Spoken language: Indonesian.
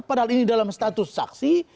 padahal ini dalam status saksi